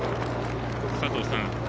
佐藤さん